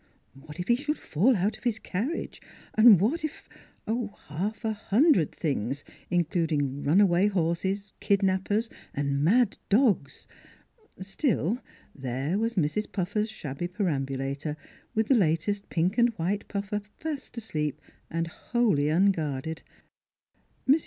What if he should fall out of his carriage? What if half a hundred things, including runaway horses, kid nappers, and mad dogs. Still, there was Mrs. Puffer's shabby perambulator with the latest pink and white Puffer fast asleep and wholly un guarded. Mrs.